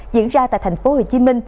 diễn ra tại tp hcm